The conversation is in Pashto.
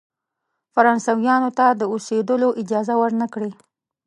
فرانسویانو ته د اوسېدلو اجازه ورنه کړی.